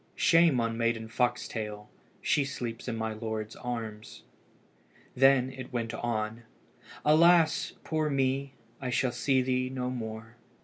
Shame on Maiden Foxtail! she sleeps in my lord's arms." Then it went on "Alas! poor me! I shall see thee no more."